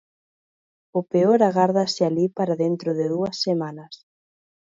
O peor agárdase alí para dentro de dúas semanas.